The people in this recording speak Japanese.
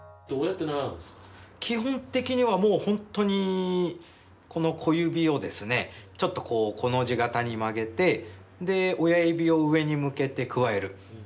基本的にはもう本当にこの小指をですねちょっとコの字形に曲げてで親指を上に向けてくわえる。